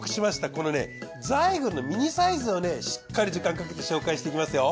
このザイグルミニサイズをしっかり時間かけて紹介していきますよ。